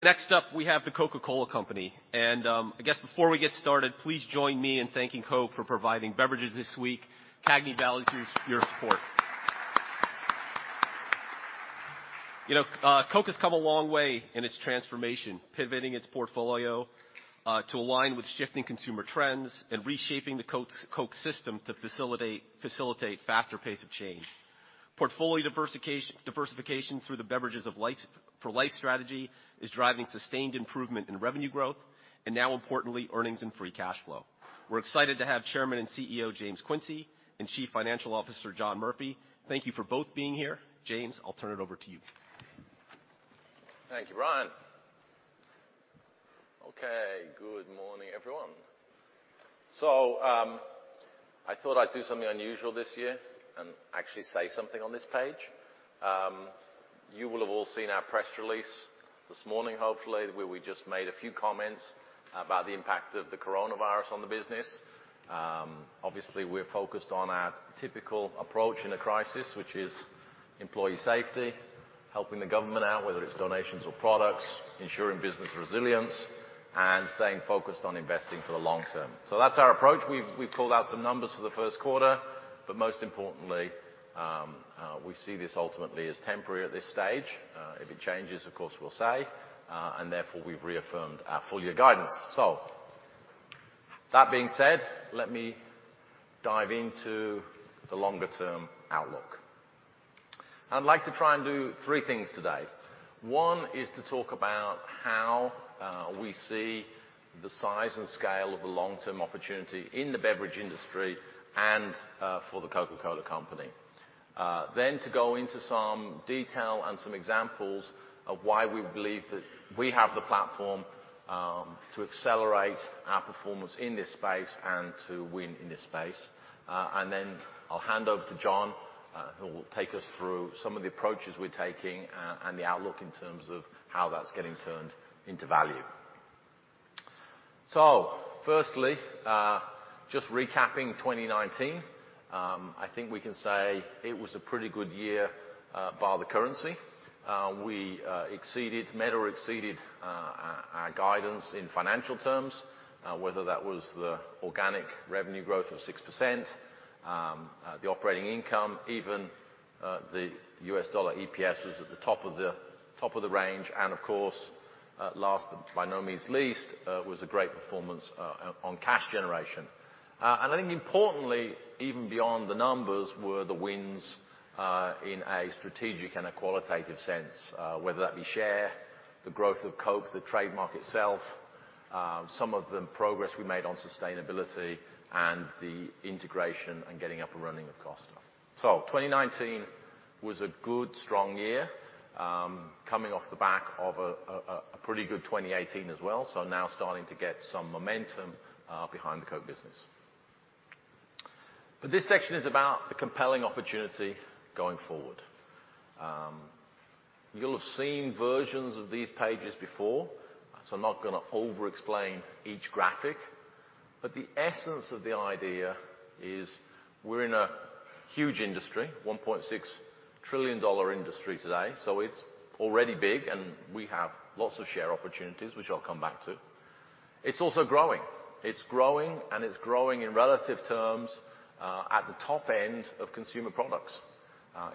Next up, we have The Coca-Cola Company. I guess before we get started, please join me in thanking Coke for providing beverages this week. CAGNY values your support. Coke has come a long way in its transformation, pivoting its portfolio to align with shifting consumer trends and reshaping the Coke system to facilitate faster pace of change. Portfolio diversification through the Beverages for Life strategy is driving sustained improvement in revenue growth, and now importantly, earnings and free cash flow. We're excited to have Chairman and CEO, James Quincey, and Chief Financial Officer, John Murphy. Thank you for both being here. James, I'll turn it over to you. Thank you, [Ryan]. Okay. Good morning, everyone. I thought I'd do something unusual this year and actually say something on this page. You will have all seen our press release this morning, hopefully, where we just made a few comments about the impact of the coronavirus on the business. Obviously, we're focused on our typical approach in a crisis, which is employee safety, helping the government out, whether it's donations or products, ensuring business resilience, and staying focused on investing for the long term. That's our approach. We've pulled out some numbers for the first quarter, most importantly, we see this ultimately as temporary at this stage. If it changes, of course, we'll say, therefore we've reaffirmed our full year guidance. That being said, let me dive into the longer term outlook. I'd like to try and do three things today. One is to talk about how we see the size and scale of the long-term opportunity in the beverage industry and for The Coca-Cola Company. To go into some detail and some examples of why we believe that we have the platform to accelerate our performance in this space and to win in this space. I'll hand over to John, who will take us through some of the approaches we're taking and the outlook in terms of how that's getting turned into value. Firstly, just recapping 2019. I think we can say it was a pretty good year bar the currency. We met or exceeded our guidance in financial terms, whether that was the organic revenue growth of 6%, the operating income, even the U.S. dollar EPS was at the top of the range, and of course, last but by no means least, was a great performance on cash generation. Importantly, even beyond the numbers, were the wins in a strategic and a qualitative sense, whether that be share, the growth of Coke, the trademark itself, some of the progress we made on sustainability, and the integration and getting up and running of Costa. 2019 was a good, strong year, coming off the back of a pretty good 2018 as well. Now starting to get some momentum behind the Coke business. This section is about the compelling opportunity going forward. You'll have seen versions of these pages before, I'm not going to overexplain each graphic. The essence of the idea is we're in a huge industry, $1.6 trillion industry today. It's already big, and we have lots of share opportunities, which I'll come back to. It's also growing. It's growing, and it's growing in relative terms, at the top end of consumer products.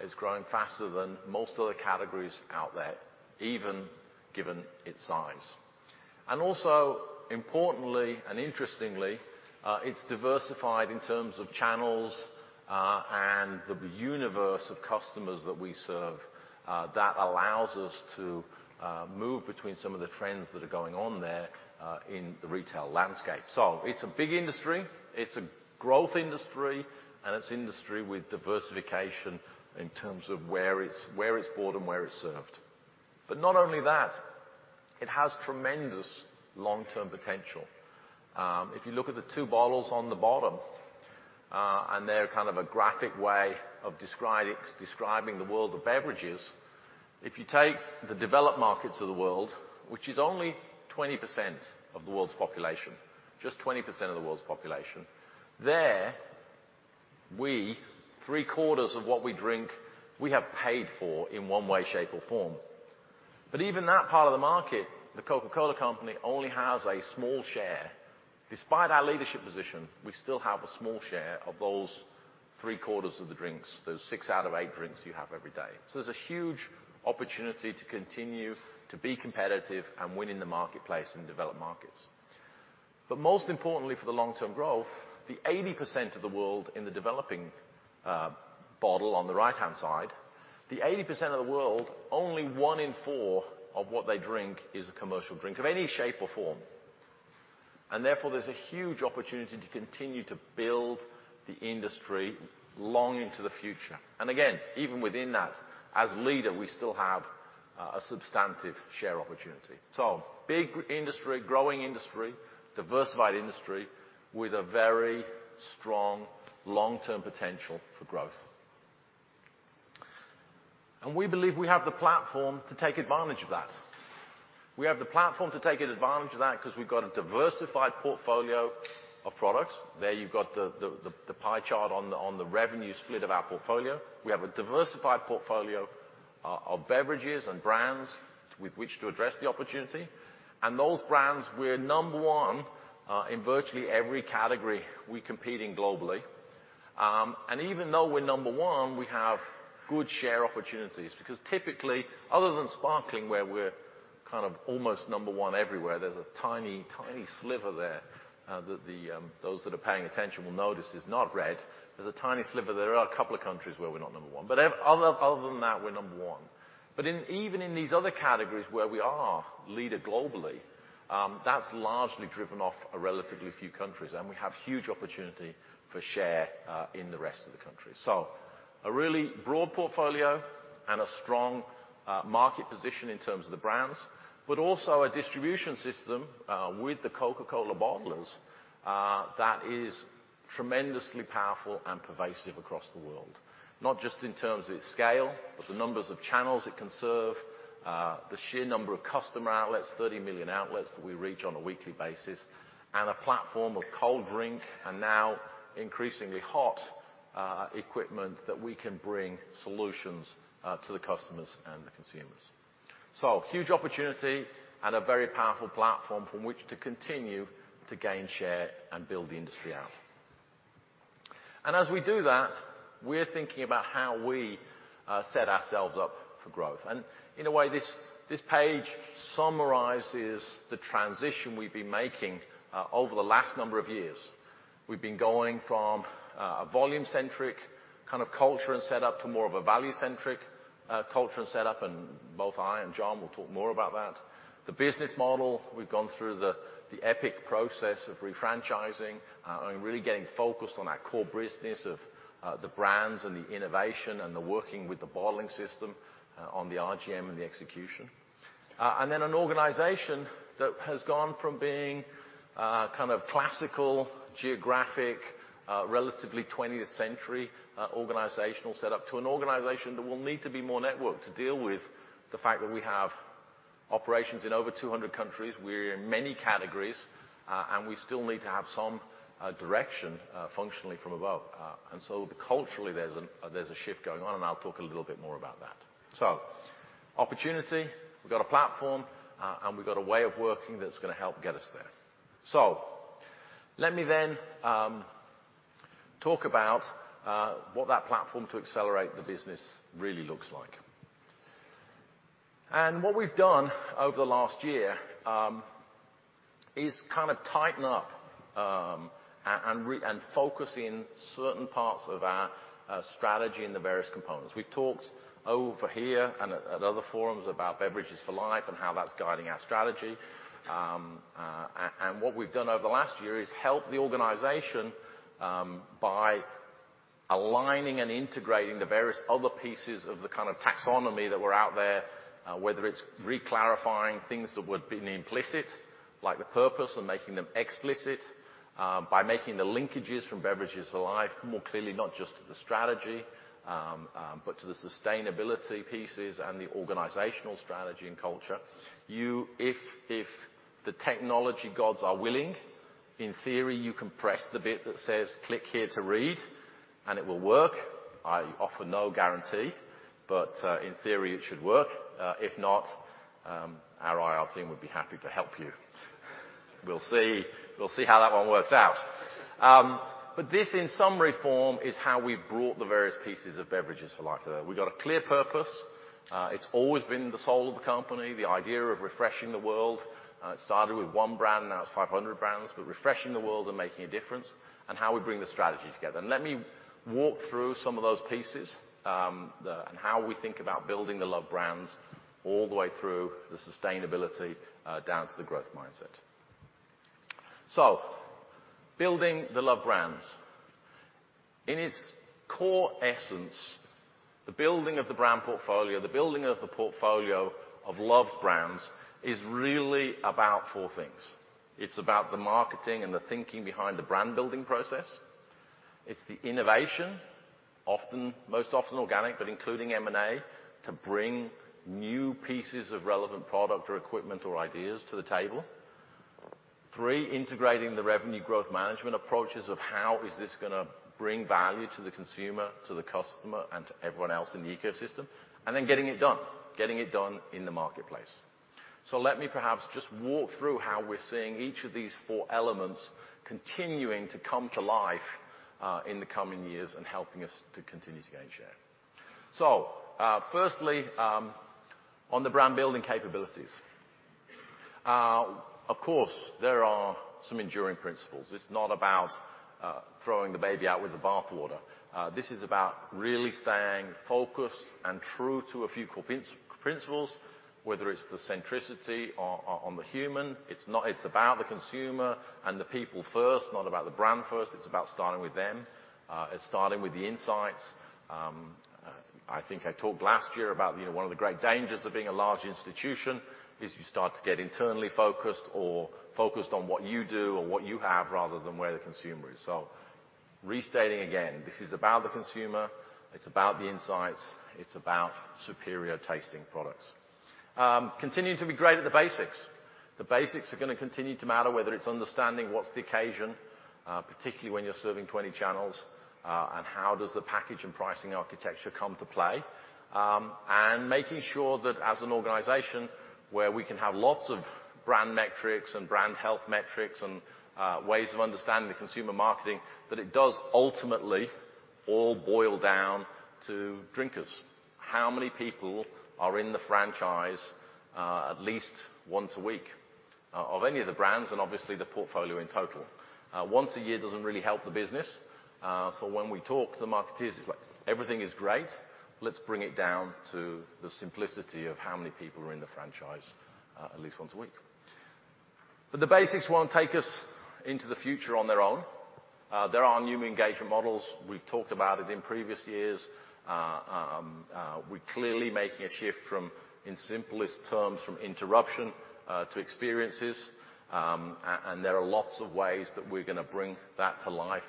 It's growing faster than most other categories out there, even given its size. Also, importantly and interestingly, it's diversified in terms of channels and the universe of customers that we serve that allows us to move between some of the trends that are going on there in the retail landscape. It's a big industry, it's a growth industry, and it's industry with diversification in terms of where it's bought and where it's served. Not only that, it has tremendous long-term potential. If you look at the two bottles on the bottom, they're kind of a graphic way of describing the world of beverages. If you take the developed markets of the world, which is only 20% of the world's population, just 20% of the world's population, there, we, 3/4 of what we drink, we have paid for in one way, shape, or form. Even that part of the market, The Coca-Cola Company only has a small share. Despite our leadership position, we still have a small share of those 3/4 of the drinks, those six out of eight drinks you have every day. There's a huge opportunity to continue to be competitive and win in the marketplace in developed markets. Most importantly for the long-term growth, the 80% of the world in the developing bottle on the right-hand side, the 80% of the world, only one in four of what they drink is a commercial drink of any shape or form. Therefore, there's a huge opportunity to continue to build the industry long into the future. Again, even within that, as leader, we still have a substantive share opportunity. Big industry, growing industry, diversified industry with a very strong long-term potential for growth. We believe we have the platform to take advantage of that. We have the platform to take advantage of that because we've got a diversified portfolio of products. There you've got the pie chart on the revenue split of our portfolio. We have a diversified portfolio of beverages and brands with which to address the opportunity. Those brands, we're number one in virtually every category we compete in globally. Even though we're number one, we have good share opportunities, because typically, other than sparkling, where we're kind of almost number one everywhere, there's a tiny sliver there that those that are paying attention will notice is not red. There's a tiny sliver. There are a couple of countries where we're not number one. Other than that, we're number one. Even in these other categories where we are a leader globally, that's largely driven off a relatively few countries. We have huge opportunity for share in the rest of the countries. A really broad portfolio and a strong market position in terms of the brands, but also a distribution system with The Coca-Cola Bottlers that is tremendously powerful and pervasive across the world, not just in terms of its scale, but the numbers of channels it can serve, the sheer number of customer outlets, 30 million outlets that we reach on a weekly basis, and a platform of cold drink and now increasingly hot equipment that we can bring solutions to the customers and the consumers. Huge opportunity and a very powerful platform from which to continue to gain share and build the industry out. As we do that, we're thinking about how we set ourselves up for growth. In a way, this page summarizes the transition we've been making over the last number of years. We've been going from a volume-centric kind of culture and setup to more of a value-centric culture and setup, and both I and John will talk more about that. The business model, we've gone through the epic process of refranchising and really getting focused on that core business of the brands and the innovation and the working with the bottling system on the RGM and the execution. An organization that has gone from being a kind of classical, geographic, relatively 20th century organizational setup to an organization that will need to be more networked to deal with the fact that we have operations in over 200 countries. We're in many categories, and we still need to have some direction functionally from above. Culturally, there's a shift going on, and I'll talk a little bit more about that. Opportunity, we've got a platform, and we've got a way of working that's going to help get us there. Let me then talk about what that platform to accelerate the business really looks like. What we've done over the last year is kind of tighten up and focus in certain parts of our strategy in the various components. We've talked over here and at other forums about Beverages for Life and how that's guiding our strategy. What we've done over the last year is help the organization by aligning and integrating the various other pieces of the kind of taxonomy that were out there, whether it's reclarifying things that would have been implicit, like the purpose, and making them explicit, by making the linkages from Beverages for Life more clearly, not just to the strategy, but to the sustainability pieces and the organizational strategy and culture. If the technology gods are willing, in theory, you can press the bit that says "Click here to read," and it will work. I offer no guarantee. In theory, it should work. If not, our IR team would be happy to help you. We'll see how that one works out. This, in some form, is how we've brought the various pieces of Beverages for Life today. We've got a clear purpose. It's always been the soul of the company, the idea of refreshing the world. It started with one brand, now it's 500 brands, but refreshing the world and making a difference, and how we bring the strategy together. Let me walk through some of those pieces, and how we think about building the loved brands all the way through the sustainability, down to the growth mindset. Building the loved brands. In its core essence, the building of the brand portfolio, the building of the portfolio of loved brands, is really about four things. It's about the marketing and the thinking behind the brand-building process. It's the innovation, most often organic, but including M&A, to bring new pieces of relevant product or equipment or ideas to the table. Three, integrating the Revenue Growth Management approaches of how is this going to bring value to the consumer, to the customer, and to everyone else in the ecosystem. Then getting it done. Getting it done in the marketplace. Let me perhaps just walk through how we're seeing each of these four elements continuing to come to life, in the coming years and helping us to continue to gain share. Firstly, on the brand-building capabilities. Of course, there are some enduring principles. It's not about throwing the baby out with the bathwater. This is about really staying focused and true to a few core principles, whether it's the centricity on the human. It's about the consumer and the people first, not about the brand first. It's about starting with them. It's starting with the insights. I think I talked last year about one of the great dangers of being a large institution is you start to get internally focused or focused on what you do or what you have rather than where the consumer is. Restating again, this is about the consumer, it's about the insights, it's about superior tasting products. Continuing to be great at the basics. The basics are going to continue to matter, whether it's understanding what's the occasion, particularly when you're serving 20 channels, and how does the package and pricing architecture come to play, and making sure that as an organization where we can have lots of brand metrics and brand health metrics and ways of understanding the consumer marketing, that it does ultimately all boil down to drinkers. How many people are in the franchise at least once a week of any of the brands, and obviously the portfolio in total. Once a year doesn't really help the business. When we talk to the marketers, it's like, everything is great. Let's bring it down to the simplicity of how many people are in the franchise, at least once a week. The basics won't take us into the future on their own. There are new engagement models. We've talked about it in previous years. We're clearly making a shift from, in simplest terms, from interruption to experiences. There are lots of ways that we're going to bring that to life,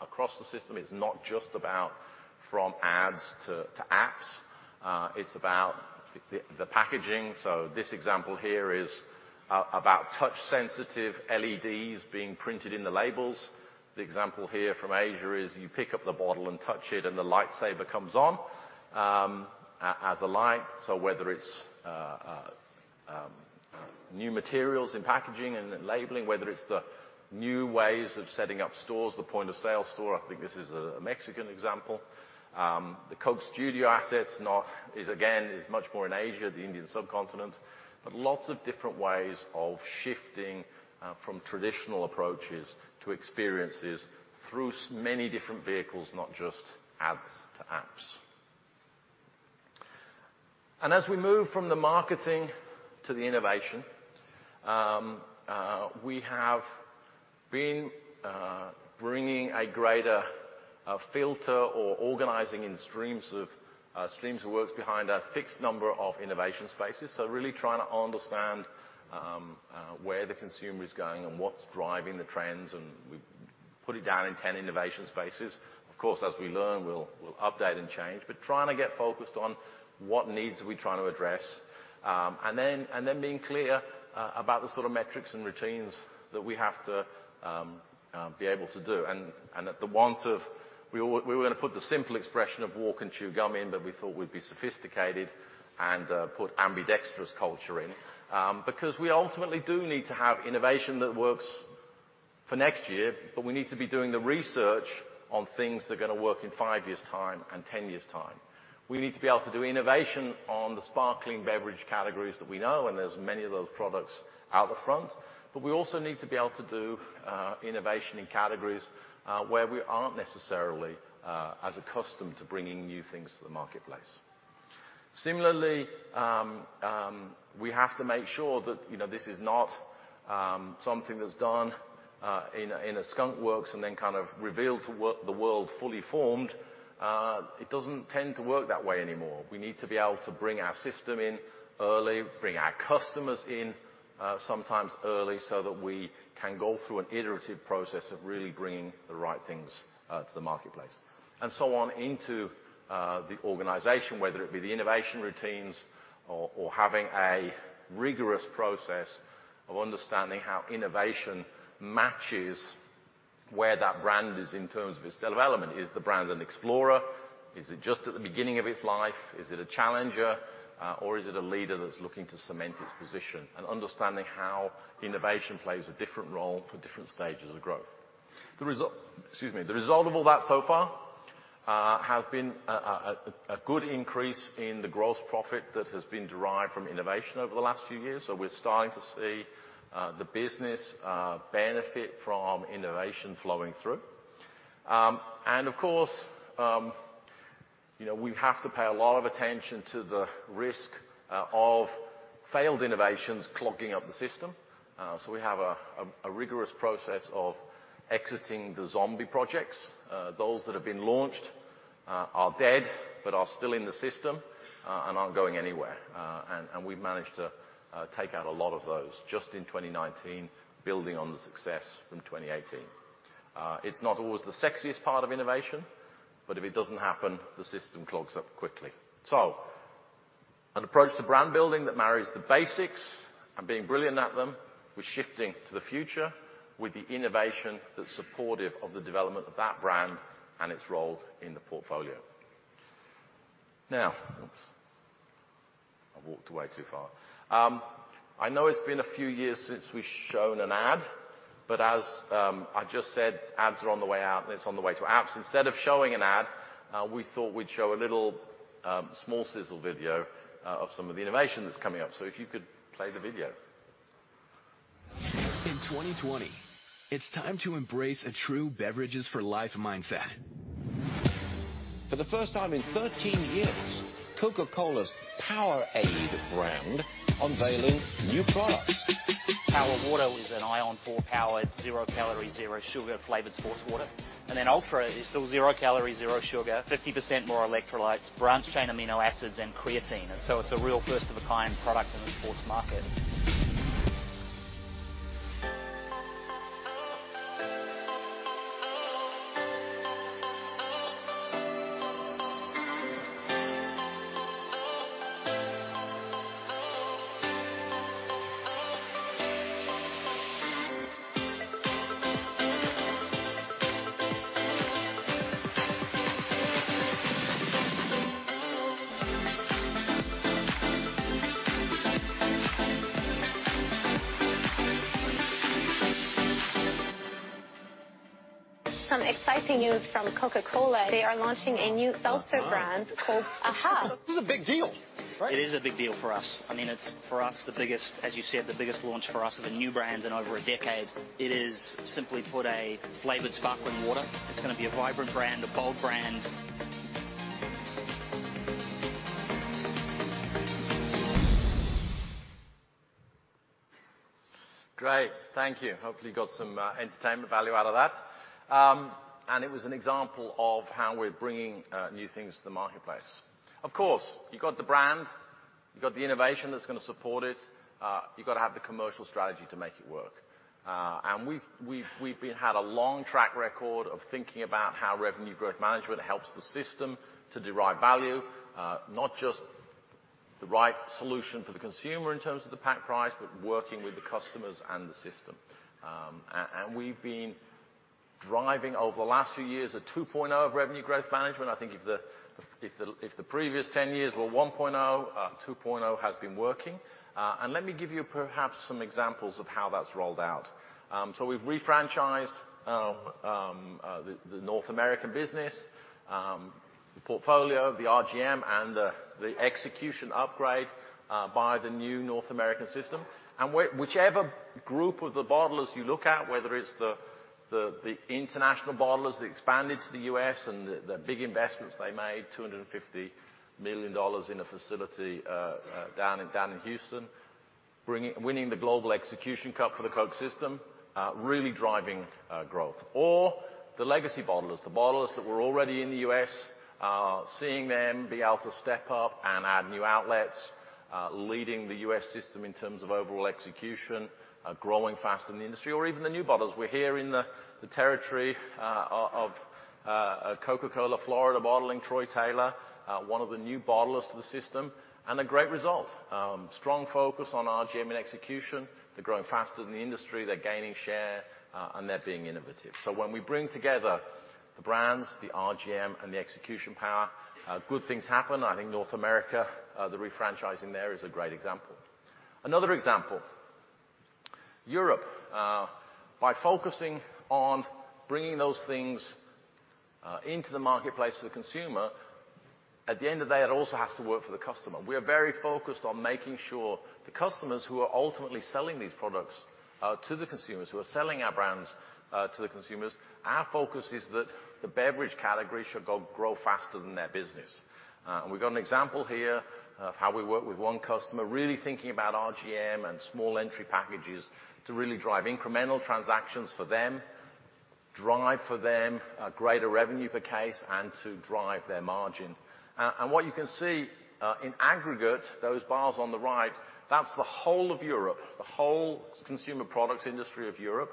across the system. It's not just about from ads to apps. It's about the packaging. This example here is about touch-sensitive LEDs being printed in the labels. The example here from Asia is you pick up the bottle and touch it, and the lightsaber comes on, as a light. Whether it's new materials in packaging and labeling, whether it's the new ways of setting up stores, the point-of-sale store. I think this is a Mexican example. The Coke Studio assets is again, is much more in Asia, the Indian subcontinent. Lots of different ways of shifting from traditional approaches to experiences through many different vehicles, not just ads to apps. As we move from the marketing to the innovation, we have been bringing a greater filter or organizing in streams of works behind our fixed number of innovation spaces. Really trying to understand where the consumer is going and what's driving the trends, and we put it down in 10 innovation spaces. Of course, as we learn, we'll update and change. Trying to get focused on what needs are we trying to address. Then being clear about the sort of metrics and routines that we have to be able to do. At the want of, we were going to put the simple expression of walk and chew gum in, but we thought we'd be sophisticated and put ambidextrous culture in. We ultimately do need to have innovation that works for next year, but we need to be doing the research on things that are going to work in five years' time and 10 years' time. We need to be able to do innovation on the sparkling beverage categories that we know, and there's many of those products out the front. We also need to be able to do innovation in categories where we aren't necessarily as accustomed to bringing new things to the marketplace. Similarly, we have to make sure that this is not something that's done in a skunk works and then kind of revealed to the world fully formed. It doesn't tend to work that way anymore. We need to be able to bring our system in early, bring our customers in, sometimes early, so that we can go through an iterative process of really bringing the right things to the marketplace. On into the organization, whether it be the innovation routines or having a rigorous process of understanding how innovation matches where that brand is in terms of its development. Is the brand an explorer? Is it just at the beginning of its life? Is it a challenger? Is it a leader that's looking to cement its position? Understanding how innovation plays a different role for different stages of growth. The result of all that so far has been a good increase in the gross profit that has been derived from innovation over the last few years. We're starting to see the business benefit from innovation flowing through. Of course, we have to pay a lot of attention to the risk of failed innovations clogging up the system. We have a rigorous process of exiting the zombie projects, those that have been launched, are dead, but are still in the system and aren't going anywhere. We've managed to take out a lot of those just in 2019, building on the success from 2018. It's not always the sexiest part of innovation, but if it doesn't happen, the system clogs up quickly. An approach to brand building that marries the basics and being brilliant at them, with shifting to the future with the innovation that's supportive of the development of that brand and its role in the portfolio. Oops. I've walked away too far. I know it's been a few years since we've shown an ad, As I just said, ads are on the way out, and it's on the way to apps. Instead of showing an ad, we thought we'd show a little small sizzle video of some of the innovation that's coming up. If you could play the video. In 2020, it's time to embrace a true Beverages for Life mindset. For the first time in 13 years, Coca-Cola's POWERADE brand unveiling new products. Power Water is an ION4-powered, zero calorie, zero sugar flavored sports water. ULTRA is still zero calorie, zero sugar, 50% more electrolytes, branched-chain amino acids, and creatine. It's a real first-of-a-kind product in the sports market. Some exciting news from Coca-Cola. They are launching a new seltzer brand called AHA. This is a big deal, right? It is a big deal for us. It's, for us, as you said, the biggest launch for us of a new brand in over a decade. It is, simply put, a flavored sparkling water. It's going to be a vibrant brand, a bold brand. Great. Thank you. Hopefully, you got some entertainment value out of that. It was an example of how we're bringing new things to the marketplace. Of course, you got the brand, you got the innovation that's going to support it. You've got to have the commercial strategy to make it work. We've had a long track record of thinking about how revenue growth management helps the system to derive value. Not just the right solution for the consumer in terms of the pack price, but working with the customers and the system. We've been driving, over the last few years, a 2.0 of revenue growth management. I think if the previous 10 years were 1.0, 2.0 has been working. Let me give you perhaps some examples of how that's rolled out. We've refranchised the North American business, the portfolio, the RGM, and the execution upgrade by the new North American system. Whichever group of the bottlers you look at, whether it's the international bottlers that expanded to the U.S. and the big investments they made, $250 million in a facility down in Houston, winning the Global Execution Cup for the Coke system, really driving growth. The legacy bottlers, the bottlers that were already in the U.S., seeing them be able to step up and add new outlets, leading the U.S. system in terms of overall execution, growing faster than the industry, or even the new bottlers. We're here in the territory of Coca-Cola Florida Bottling, Troy Taylor, one of the new bottlers to the system, and a great result. Strong focus on RGM and execution. They're growing faster than the industry. They're gaining share, and they're being innovative. When we bring together the brands, the RGM, and the execution power, good things happen. I think North America, the refranchising there is a great example. Another example, Europe. By focusing on bringing those things into the marketplace to the consumer, at the end of the day, it also has to work for the customer. We are very focused on making sure the customers who are ultimately selling these products to the consumers, who are selling our brands to the consumers, our focus is that the beverage category should grow faster than their business. We've got an example here of how we work with one customer, really thinking about RGM and small entry packages to really drive incremental transactions for them, drive for them a greater revenue per case, and to drive their margin. What you can see, in aggregate, those bars on the right, that's the whole of Europe, the whole consumer products industry of Europe,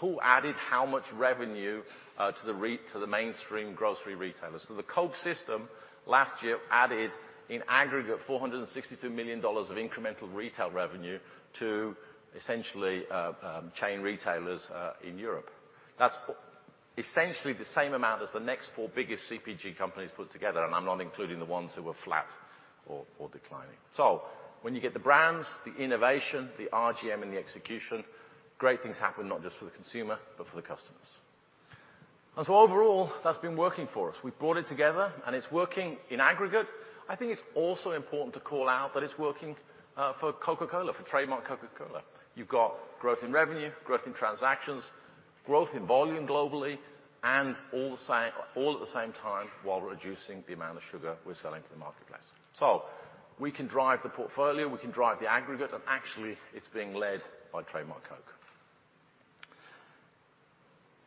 who added how much revenue to the mainstream grocery retailers. The Coke system last year added, in aggregate, $462 million of incremental retail revenue to essentially chain retailers in Europe. That's essentially the same amount as the next four biggest CPG companies put together, and I'm not including the ones who are flat or declining. When you get the brands, the innovation, the RGM, and the execution, great things happen, not just for the consumer, but for the customers. Overall, that's been working for us. We've brought it together, and it's working in aggregate. I think it's also important to call out that it's working for Coca-Cola, for trademark Coca-Cola. You've got growth in revenue, growth in transactions, growth in volume globally, and all at the same time while reducing the amount of sugar we're selling to the marketplace. We can drive the portfolio, we can drive the aggregate, and actually, it's being led by trademark Coke.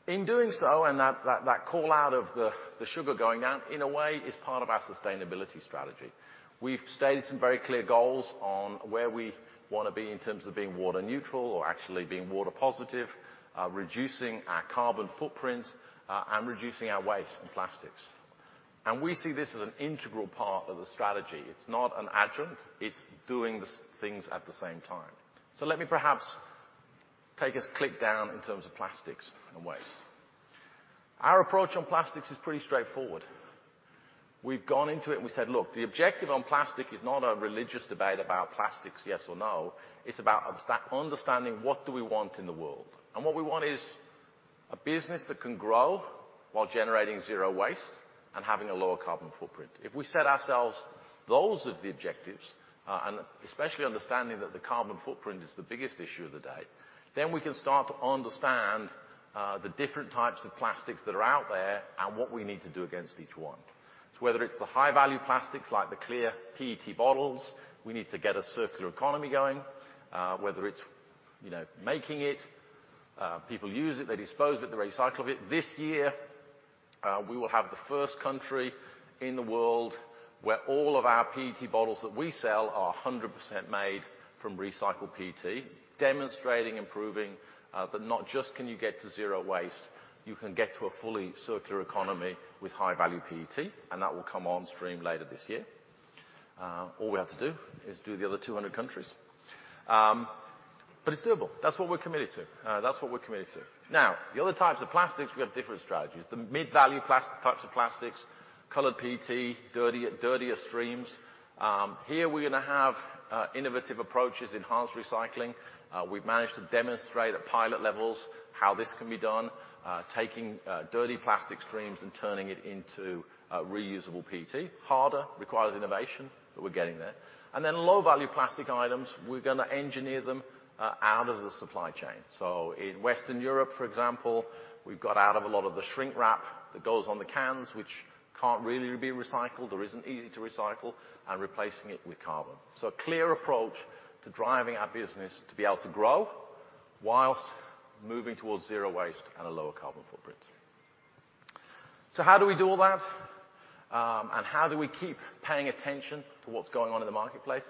In doing so, and that call out of the sugar going down, in a way, is part of our sustainability strategy. We've stated some very clear goals on where we want to be in terms of being water neutral or actually being water positive, reducing our carbon footprint, and reducing our waste and plastics. We see this as an integral part of the strategy. It's not an adjunct, it's doing the things at the same time. Let me perhaps take us click down in terms of plastics and waste. Our approach on plastics is pretty straightforward. We've gone into it, and we said, look, the objective on plastic is not a religious debate about plastics, yes or no. It's about understanding what do we want in the world. What we want is a business that can grow while generating zero waste and having a lower carbon footprint. If we set ourselves those as the objectives, and especially understanding that the carbon footprint is the biggest issue of the day, then we can start to understand the different types of plastics that are out there and what we need to do against each one. Whether it's the high-value plastics, like the clear PET bottles, we need to get a circular economy going. Whether it's making it, people use it, they dispose of it, they recycle it. This year, we will have the first country in the world where all of our PET bottles that we sell are 100% made from recycled PET, demonstrating and proving that not just can you get to zero waste, you can get to a fully circular economy with high-value PET, and that will come on stream later this year. All we have to do is do the other 200 countries. It's doable. That's what we're committed to. The other types of plastics, we have different strategies. The mid-value types of plastics, colored PET, dirtier streams. Here, we're going to have innovative approaches, enhanced recycling. We've managed to demonstrate at pilot levels how this can be done, taking dirty plastic streams and turning it into reusable PET. Harder, requires innovation, but we're getting there. Low-value plastic items, we're going to engineer them out of the supply chain. In Western Europe, for example, we've got out of a lot of the shrink-wrap that goes on the cans, which can't really be recycled or isn't easy to recycle, and replacing it with cardboard. A clear approach to driving our business to be able to grow whilst moving towards zero waste and a lower carbon footprint. How do we do all that? How do we keep paying attention to what's going on in the marketplace?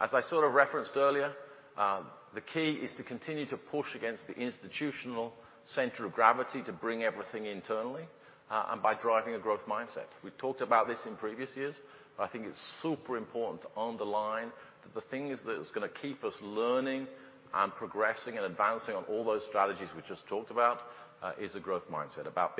As I sort of referenced earlier, the key is to continue to push against the institutional center of gravity to bring everything internally, and by driving a growth mindset. We've talked about this in previous years, but I think it's super important to underline that the thing that is going to keep us learning and progressing and advancing on all those strategies we just talked about is a growth mindset. About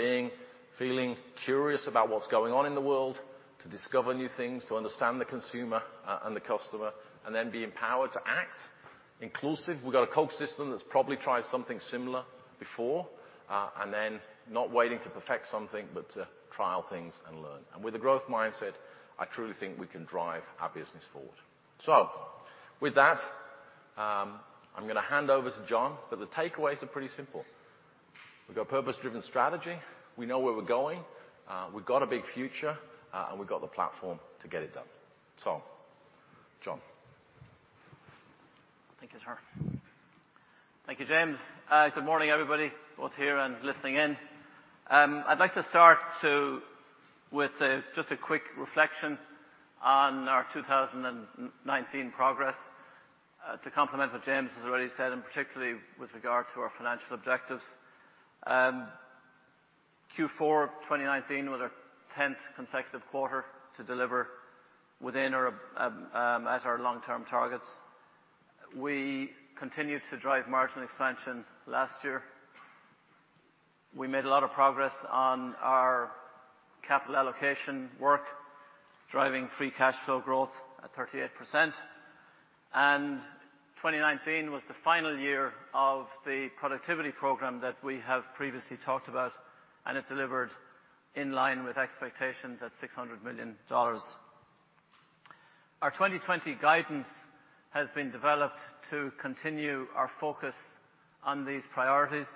feeling curious about what's going on in the world, to discover new things, to understand the consumer and the customer, and then be empowered to act. Inclusive, we've got a Coke system that's probably tried something similar before, and then not waiting to perfect something, but to trial things and learn. With a growth mindset, I truly think we can drive our business forward. With that, I'm going to hand over to John. The takeaways are pretty simple. We've got a purpose-driven strategy. We know where we're going. We've got a big future, and we've got the platform to get it done. John. Thank you, James. Good morning, everybody, both here and listening in. I'd like to start with just a quick reflection on our 2019 progress to complement what James has already said, and particularly with regard to our financial objectives. Q4 2019 was our 10th consecutive quarter to deliver at our long-term targets. We continued to drive margin expansion last year. We made a lot of progress on our capital allocation work, driving free cash flow growth at 38%. 2019 was the final year of the productivity program that we have previously talked about, and it delivered in line with expectations at $600 million. Our 2020 guidance has been developed to continue our focus on these priorities.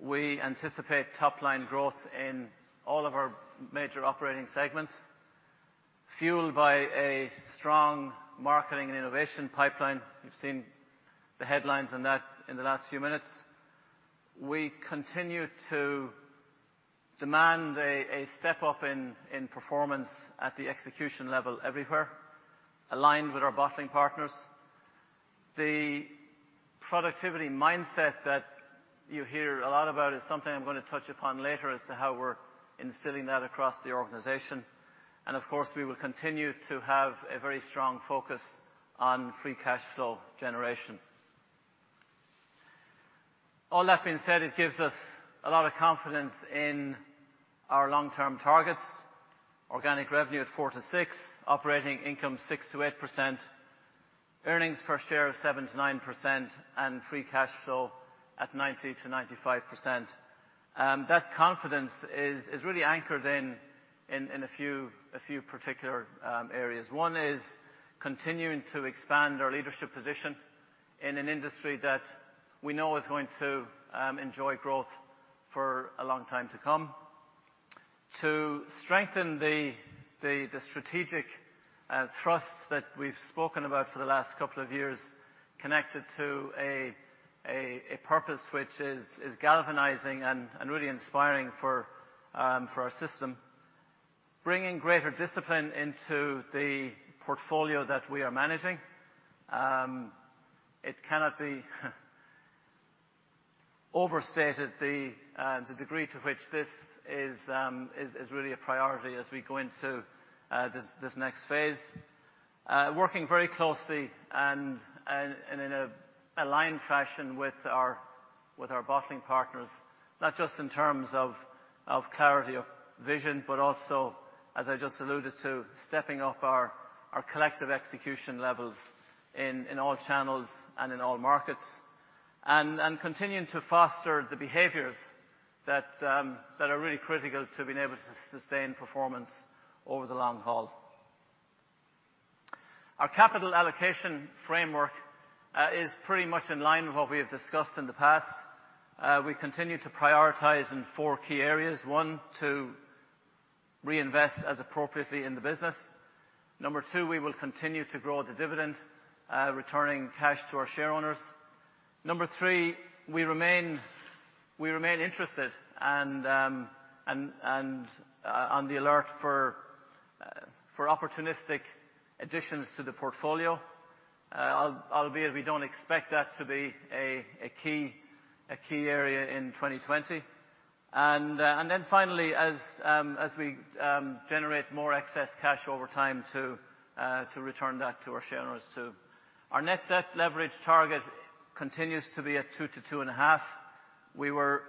We anticipate top line growth in all of our major operating segments, fueled by a strong marketing and innovation pipeline. You've seen the headlines on that in the last few minutes. We continue to demand a step up in performance at the execution level everywhere, aligned with our bottling partners. The productivity mindset that you hear a lot about is something I'm going to touch upon later as to how we're instilling that across the organization. Of course, we will continue to have a very strong focus on free cash flow generation. All that being said, it gives us a lot of confidence in our long-term targets. Organic revenue at 4%-6%, operating income 6%-8%, earnings per share of 7%-9%, and free cash flow at 90%-95%. That confidence is really anchored in a few particular areas. One is continuing to expand our leadership position in an industry that we know is going to enjoy growth for a long time to come. To strengthen the strategic thrusts that we've spoken about for the last couple of years, connected to a purpose which is galvanizing and really inspiring for our system. Bringing greater discipline into the portfolio that we are managing. It cannot be overstated the degree to which this is really a priority as we go into this next phase. Working very closely and in an aligned fashion with our bottling partners, not just in terms of clarity of vision, but also, as I just alluded to, stepping up our collective execution levels in all channels and in all markets. Continuing to foster the behaviors that are really critical to being able to sustain performance over the long haul. Our capital allocation framework is pretty much in line with what we have discussed in the past. We continue to prioritize in four key areas. One, to reinvest as appropriately in the business. Number two, we will continue to grow the dividend, returning cash to our shareowners. Number three, we remain interested and on the alert for opportunistic additions to the portfolio. Albeit we don't expect that to be a key area in 2020. Finally, as we generate more excess cash over time to return that to our shareholders too. Our net debt leverage target continues to be at 2-2.5. We were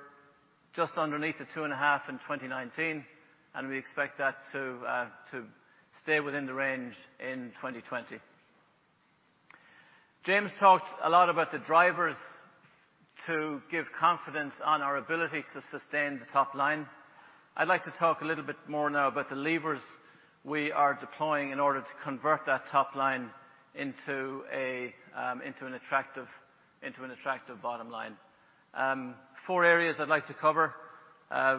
just underneath the 2.5 in 2019, and we expect that to stay within the range in 2020. James talked a lot about the drivers to give confidence on our ability to sustain the top line. I'd like to talk a little bit more now about the levers we are deploying in order to convert that top line into an attractive bottom line. Four areas I'd like to cover.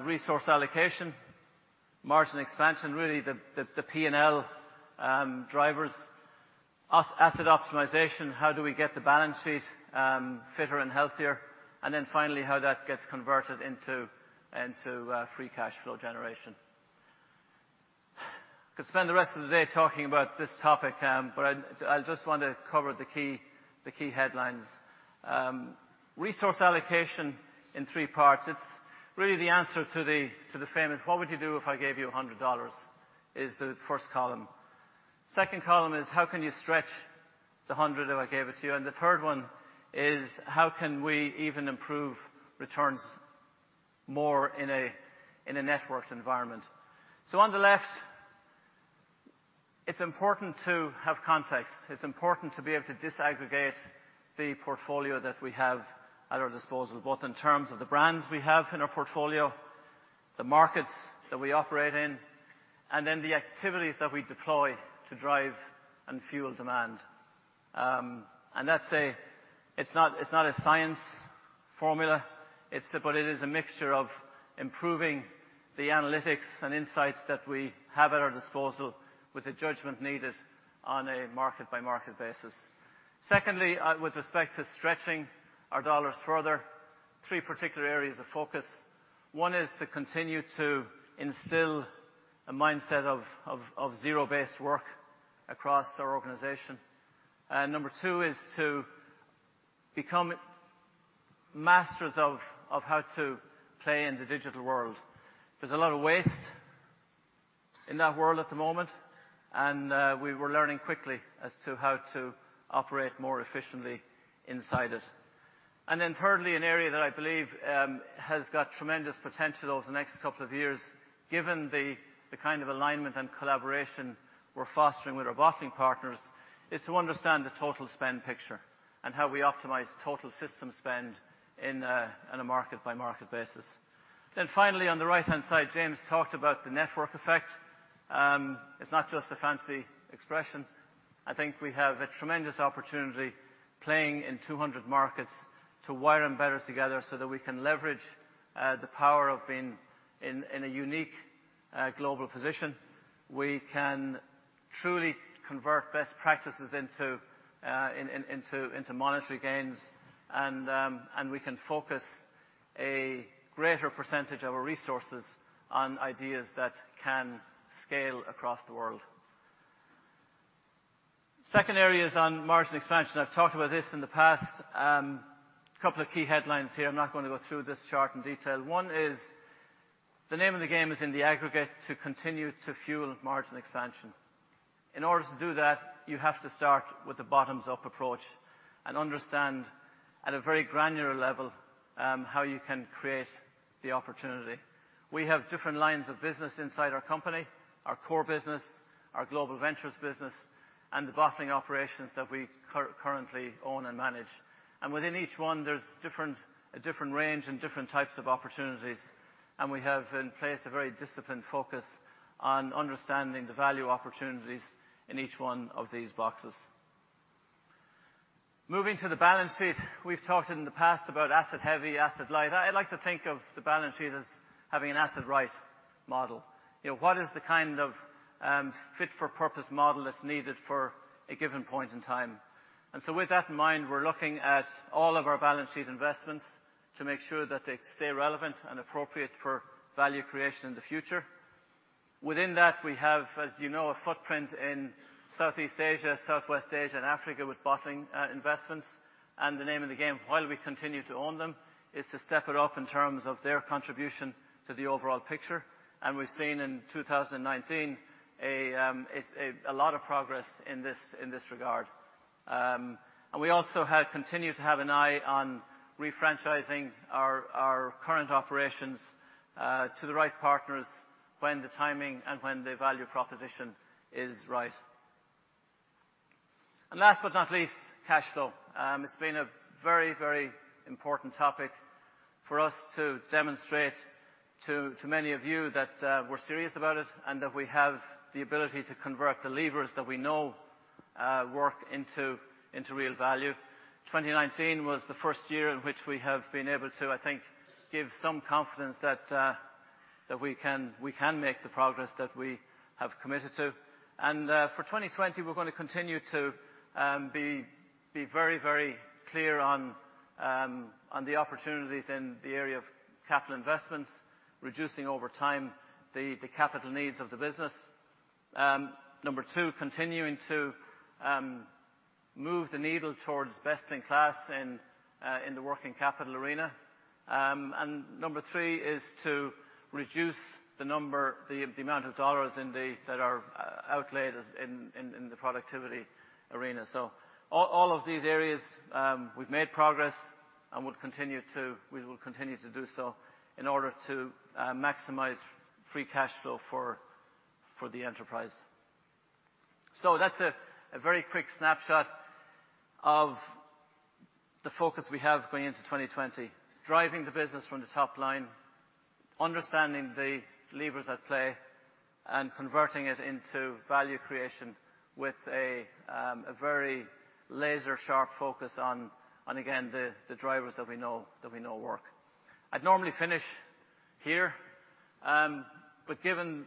Resource allocation, margin expansion, really the P&L drivers. Asset optimization, how do we get the balance sheet fitter and healthier? Finally, how that gets converted into free cash flow generation. Could spend the rest of the day talking about this topic, I just want to cover the key headlines. Resource allocation in three parts, it's really the answer to the famous, "What would you do if I gave you $100?" is the first column. Second column is, how can you stretch the $100 I gave to you? The third one is, how can we even improve returns more in a networked environment? On the left, it's important to have context. It's important to be able to disaggregate the portfolio that we have at our disposal, both in terms of the brands we have in our portfolio, the markets that we operate in, and then the activities that we deploy to drive and fuel demand. Let's say it's not a science formula. It is a mixture of improving the analytics and insights that we have at our disposal with the judgment needed on a market-by-market basis. Secondly, with respect to stretching our dollars further, three particular areas of focus. One is to continue to instill a mindset of zero-based work across our organization. Number two is to become masters of how to play in the digital world. There's a lot of waste in that world at the moment, and we were learning quickly as to how to operate more efficiently inside it. Thirdly, an area that I believe has got tremendous potential over the next couple of years, given the kind of alignment and collaboration we're fostering with our bottling partners, is to understand the total spend picture and how we optimize total system spend on a market-by-market basis. Finally, on the right-hand side, James talked about the network effect. It's not just a fancy expression. I think we have a tremendous opportunity playing in 200 markets to wire them better together so that we can leverage the power of being in a unique global position. We can truly convert best practices into monetary gains, and we can focus a greater percentage of our resources on ideas that can scale across the world. Second area is on margin expansion. I've talked about this in the past. Couple of key headlines here. I'm not going to go through this chart in detail. One is, the name of the game is in the aggregate to continue to fuel margin expansion. In order to do that, you have to start with the bottoms-up approach and understand at a very granular level how you can create the opportunity. We have different lines of business inside our company, our core business, our Global Ventures business, and the bottling operations that we currently own and manage. Within each one, there's a different range and different types of opportunities, and we have in place a very disciplined focus on understanding the value opportunities in each one of these boxes. Moving to the balance sheet, we've talked in the past about asset heavy, asset light. I like to think of the balance sheet as having an asset right model. What is the kind of fit-for-purpose model that's needed for a given point in time? With that in mind, we're looking at all of our balance sheet investments to make sure that they stay relevant and appropriate for value creation in the future. Within that, we have, as you know, a footprint in Southeast Asia, Southwest Asia, and Africa with bottling investments. The name of the game, while we continue to own them, is to step it up in terms of their contribution to the overall picture. We've seen in 2019 a lot of progress in this regard. We also have continued to have an eye on refranchising our current operations to the right partners when the timing and when the value proposition is right. Last but not least, cash flow. It's been a very important topic for us to demonstrate to many of you that we're serious about it, and that we have the ability to convert the levers that we know work into real value. 2019 was the first year in which we have been able to, I think, give some confidence that we can make the progress that we have committed to. For 2020, we're going to continue to be very clear on the opportunities in the area of capital investments. Reducing over time the capital needs of the business. Number two, continuing to move the needle towards best in class in the working capital arena. Number three is to reduce the amount of dollars that are outlaid in the productivity arena. All of these areas, we've made progress and we will continue to do so in order to maximize free cash flow for the enterprise. That's a very quick snapshot of the focus we have going into 2020, driving the business from the top line, understanding the levers at play, and converting it into value creation with a very laser-sharp focus on, again, the drivers that we know work. I'd normally finish here. Given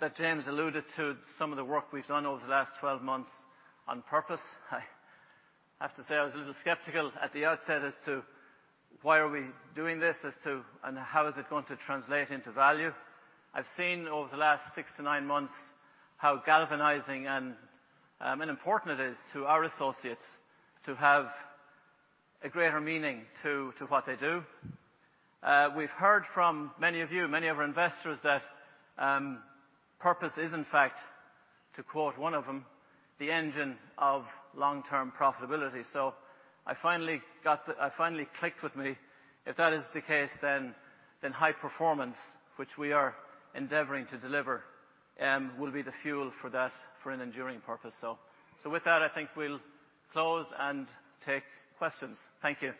that James alluded to some of the work we've done over the last 12 months on purpose, I have to say I was a little skeptical at the outset as to why are we doing this, and how is it going to translate into value. I've seen over the last six to nine months how galvanizing and important it is to our associates to have a greater meaning to what they do. We've heard from many of you, many of our investors, that purpose is, in fact, to quote one of them, "The engine of long-term profitability." It finally clicked with me. If that is the case, then high performance, which we are endeavoring to deliver, will be the fuel for that, for an enduring purpose. With that, I think we'll close and take questions. Thank you.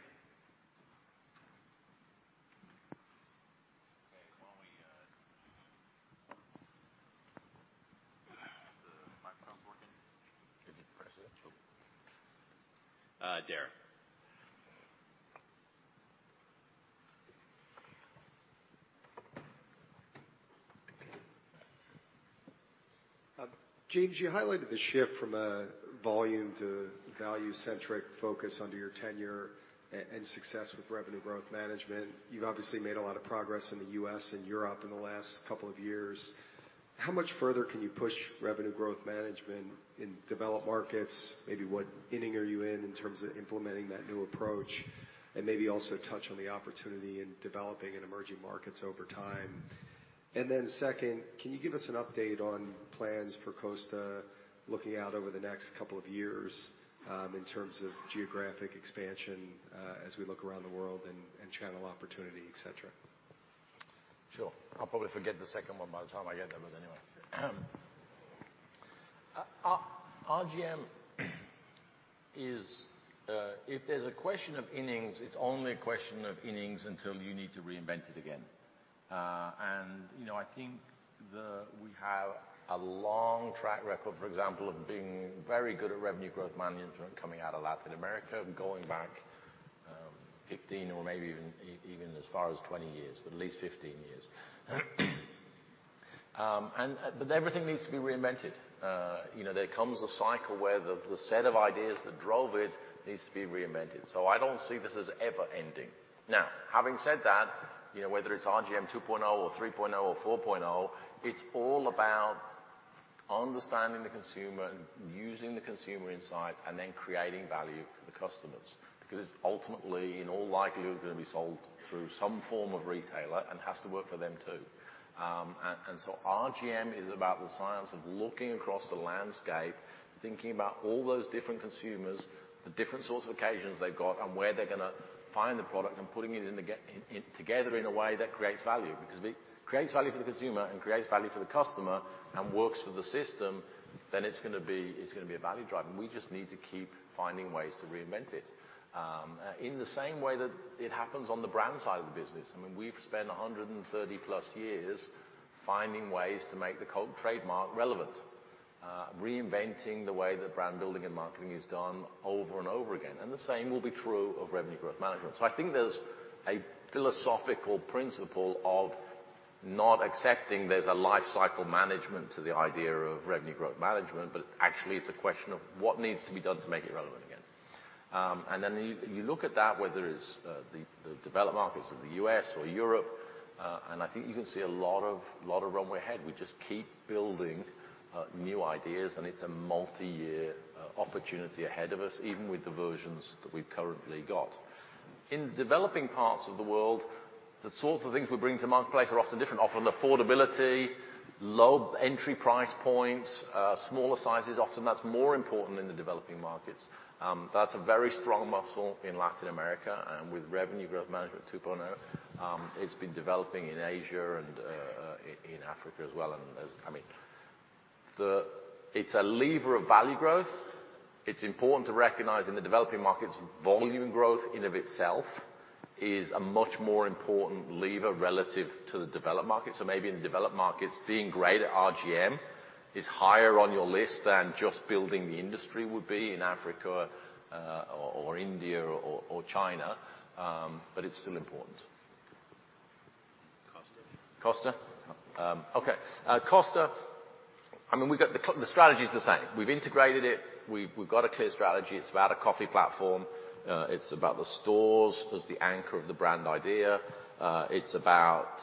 Okay. Is the microphone working? You need to press it. Oh. Derek. James, you highlighted the shift from a volume to value-centric focus under your tenure and success with Revenue Growth Management. You've obviously made a lot of progress in the U.S. and Europe in the last couple of years. How much further can you push Revenue Growth Management in developed markets? Maybe what inning are you in terms of implementing that new approach? Maybe also touch on the opportunity in developing and emerging markets over time. Then second, can you give us an update on plans for Costa looking out over the next couple of years, in terms of geographic expansion, as we look around the world and channel opportunity, et cetera? Sure. I'll probably forget the second one by the time I get there, but anyway. RGM if there's a question of innings, it's only a question of innings until you need to reinvent it again. I think we have a long track record, for example, of being very good at revenue growth management coming out of Latin America, going back 15 or maybe even as far as 20 years, but at least 15 years. Everything needs to be reinvented. There comes a cycle where the set of ideas that drove it needs to be reinvented. I don't see this as ever ending. Having said that, whether it's RGM 2.0 or 3.0 or 4.0, it's all about understanding the consumer, using the consumer insights, and then creating value for the customers. Because ultimately, in all likelihood, they're going to be sold through some form of retailer and has to work for them, too. RGM is about the science of looking across the landscape, thinking about all those different consumers, the different sorts of occasions they've got, and where they're going to find the product, and putting it together in a way that creates value. Because if it creates value for the consumer and creates value for the customer and works for the system, then it's going to be a value driver. We just need to keep finding ways to reinvent it. In the same way that it happens on the brand side of the business. We've spent 130+ years finding ways to make the Coke trademark relevant, reinventing the way that brand building and marketing is done over and over again. The same will be true of revenue growth management. I think there's a philosophical principle of not accepting there's a life cycle management to the idea of revenue growth management, but actually, it's a question of what needs to be done to make it relevant again. You look at that, whether it's the developed markets of the U.S. or Europe, and I think you can see a lot of runway ahead. We just keep building new ideas, and it's a multi-year opportunity ahead of us, even with the versions that we've currently got. In developing parts of the world, the sorts of things we bring to marketplace are often different. Often affordability, low entry price points, smaller sizes, often that's more important in the developing markets. That's a very strong muscle in Latin America, and with Revenue Growth Management 2.0, it's been developing in Asia and in Africa as well. It's a lever of value growth. It's important to recognize in the developing markets, volume growth in of itself is a much more important lever relative to the developed market. Maybe in the developed markets, being great at RGM is higher on your list than just building the industry would be in Africa or India or China. It's still important. Costa. Costa. The strategy is the same. We've integrated it. We've got a clear strategy. It's about a coffee platform. It's about the stores as the anchor of the brand idea. It's about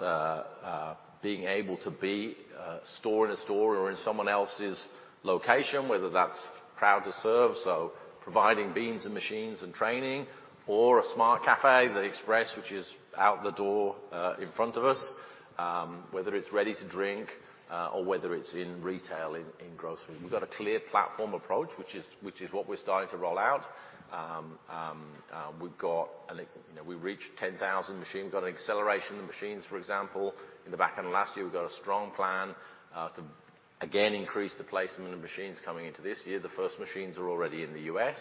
being able to be a store in a store or in someone else's location, whether that's Proud to Serve, so providing beans and machines and training, or a Smart Café, the Express, which is out the door in front of us, whether it's ready to drink, or whether it's in retail, in grocery. We've got a clear platform approach, which is what we're starting to roll out. We've reached 10,000 machines, got an acceleration of the machines, for example. In the back end of last year, we've got a strong plan to again increase the placement of machines coming into this year. The first machines are already in the U.S.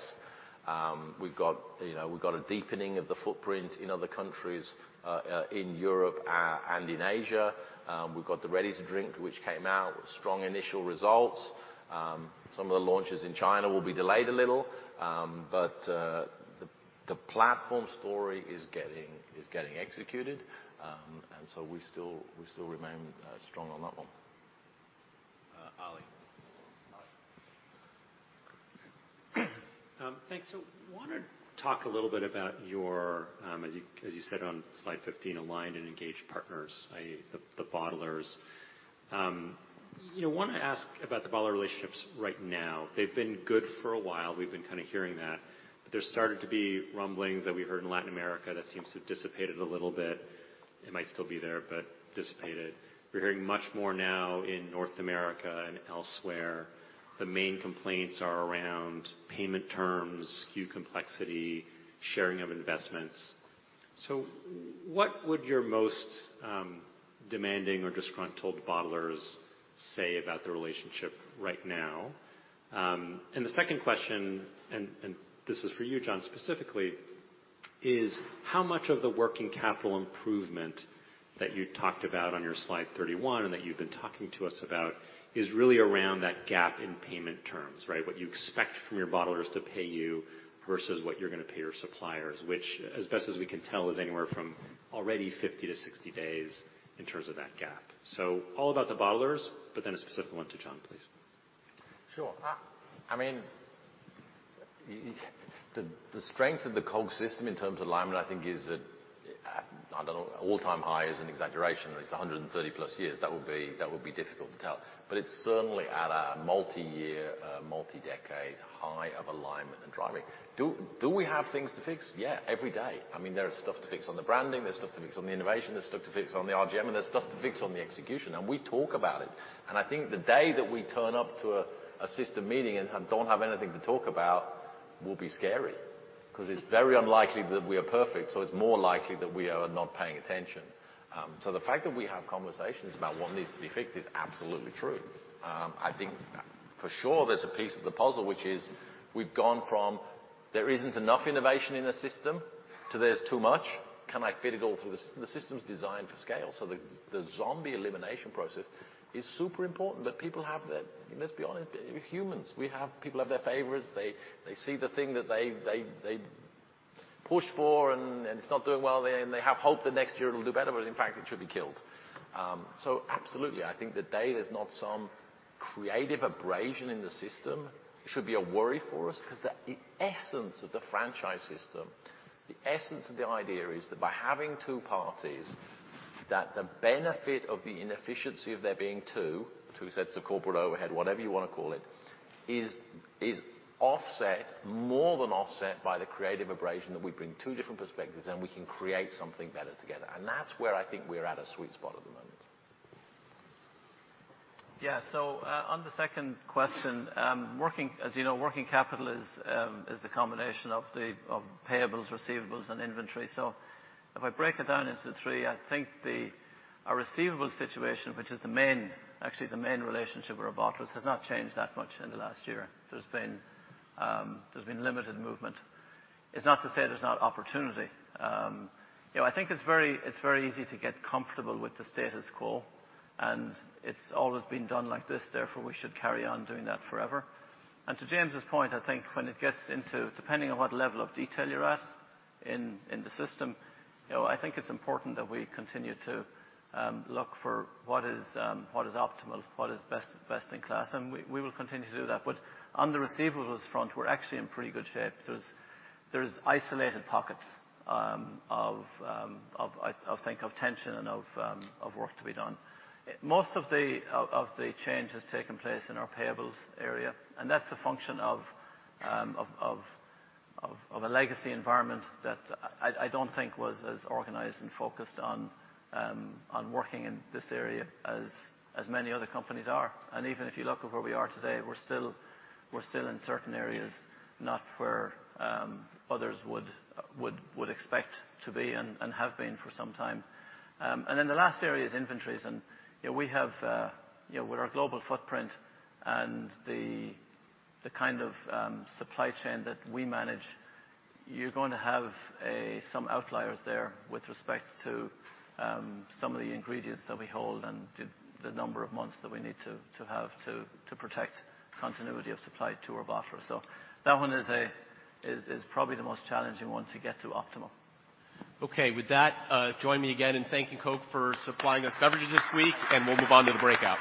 We've got a deepening of the footprint in other countries, in Europe and in Asia. We've got the ready-to-drink, which came out strong initial results. Some of the launches in China will be delayed a little, but the platform story is getting executed, and so we still remain strong on that one. Ali. Thanks. Want to talk a little bit about your, as you said on slide 15, aligned and engaged partners, i.e., the bottlers. Want to ask about the bottler relationships right now. They've been good for a while. We've been kind of hearing that, but there started to be rumblings that we heard in Latin America that seems to have dissipated a little bit. It might still be there, but dissipated. We're hearing much more now in North America and elsewhere. The main complaints are around payment terms, SKU complexity, sharing of investments. What would your most demanding or disgruntled bottlers say about the relationship right now? The second question, and this is for you, John, specifically, is how much of the working capital improvement that you talked about on your slide 31 and that you've been talking to us about is really around that gap in payment terms, right? What you expect from your bottlers to pay you versus what you're going to pay your suppliers, which as best as we can tell, is anywhere from already 50-60 days in terms of that gap. All about the bottlers, but then a specific one to John, please. Sure. The strength of the Coke system in terms of alignment, I think is, I don't know, all-time high is an exaggeration. It's 130+ years. That would be difficult to tell, but it's certainly at a multi-year, multi-decade high of alignment and driving. Do we have things to fix? Yeah, every day. There's stuff to fix on the branding. There's stuff to fix on the innovation. There's stuff to fix on the RGM. There's stuff to fix on the execution. We talk about it. I think the day that we turn up to a system meeting and don't have anything to talk about will be scary because it's very unlikely that we are perfect. It's more likely that we are not paying attention. The fact that we have conversations about what needs to be fixed is absolutely true. I think for sure there's a piece of the puzzle, which is we've gone from there isn't enough innovation in the system to there's too much. Can I fit it all through the system's designed for scale. The zombie elimination process is super important. Let's be honest, humans. People have their favorites. They see the thing that they push for, and it's not doing well, and they have hope that next year it'll do better, but in fact, it should be killed. Absolutely, I think the day there's not some creative abrasion in the system, it should be a worry for us because the essence of the franchise system, the essence of the idea is that by having two parties, that the benefit of the inefficiency of there being two sets of corporate overhead, whatever you want to call it, is more than offset by the creative abrasion that we bring two different perspectives and we can create something better together. That's where I think we're at a sweet spot at the moment. On the second question, as you know, working capital is the combination of payables, receivables, and inventory. If I break it down into three, I think our receivable situation, which is actually the main relationship with our bottlers, has not changed that much in the last year. There's been limited movement. It's not to say there's not opportunity. I think it's very easy to get comfortable with the status quo, and it's always been done like this, therefore, we should carry on doing that forever. To James' point, I think when it gets into depending on what level of detail you're at in the system, I think it's important that we continue to look for what is optimal, what is best in class, and we will continue to do that. On the receivables front, we're actually in pretty good shape. There's isolated pockets of think of tension and of work to be done. Most of the change has taken place in our payables area, and that's a function of a legacy environment that I don't think was as organized and focused on working in this area as many other companies are. Even if you look at where we are today, we're still in certain areas, not where others would expect to be and have been for some time. The last area is inventories. With our global footprint and the kind of supply chain that we manage, you're going to have some outliers there with respect to some of the ingredients that we hold and the number of months that we need to have to protect continuity of supply to our bottlers. That one is probably the most challenging one to get to optimal. Okay. With that, join me again in thanking Coke for supplying us beverages this week, and we'll move on to the breakout.